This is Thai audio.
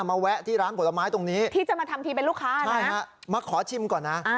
มาขอชิมก่อนนะ